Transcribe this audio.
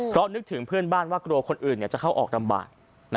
เพราะนึกถึงเพื่อนบ้านว่ากลัวคนอื่นจะเข้าออกลำบาก